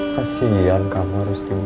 kesian kamu harus dibuang